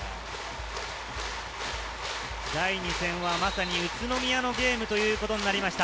第２戦はまさに宇都宮のゲームということになりました。